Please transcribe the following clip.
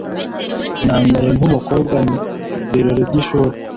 Nambaye nkumukobwa mubirori byishuri.